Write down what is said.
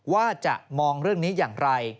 ว่าจะมองเรื่องนี้อย่างไร